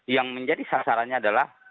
yang menjadi sasarannya adalah